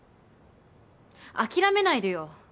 諦めないでよ